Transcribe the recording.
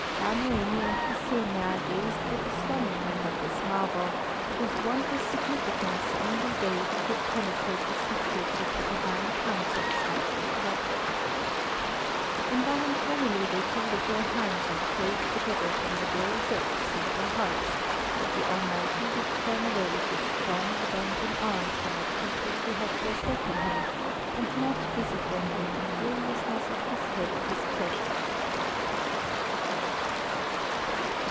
Bar Noemi and Byssenia gazed with astonishment at this marvel, whose wondrous significance only they who could penetrate the secrets of the divine counsels might interpret. Involuntarily they folded their hands and prayed together from the very depths of their hearts that the Almighty would turn away His strong, avenging arm from a people who had forsaken Him, and not visit them with the furiousness of His heavy displeasure.